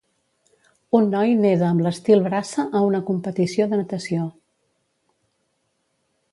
Un noi neda amb l"estil braça a una competició de natació.